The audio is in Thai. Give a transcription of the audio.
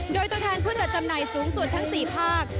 โดยตัวแทนผู้จัดจำหน่ายสูงสุดทั้ง๔ภาค